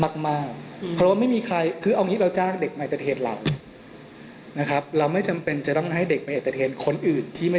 เค้าสำคัญคะนัดไหนต้องกระปล่อยที่จะเป็นแบบนี้ไป